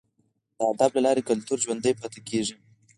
د ادب له لارې کلتور ژوندی پاتې کیږي.